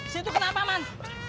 situ kenapa man